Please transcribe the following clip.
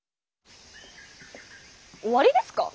終わりですか？